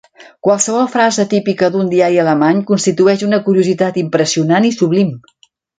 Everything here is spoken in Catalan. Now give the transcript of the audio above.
Qualsevol frase típica d'un diari alemany constitueix una curiositat impressionant i sublim.